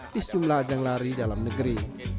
di sejumlah ajang lari dalam negeri